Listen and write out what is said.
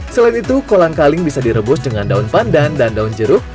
selain itu kolang kaling bisa direbus dengan daun pandan dan daun jeruk